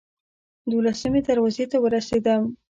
دولسمې دروازې ته ورسېدم.